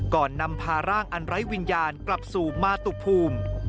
ก่อนนำพาร่างอันไร้วิญญาณกลับสู่มาตุภูมิ